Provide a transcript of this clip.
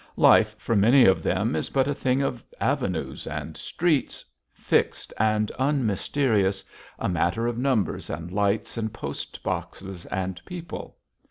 Life for many of them is but a thing of avenues and streets, fixed and unmysterious, a matter of numbers and lights and post boxes and people.